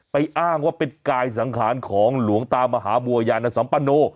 อ้างว่าเป็นกายสังขารของหลวงตามหาบัวยานสัมปโน